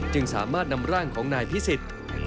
จึงสามารถนำร่างของนายพิสิทธิ์